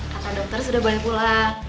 kata dokter sudah boleh pulang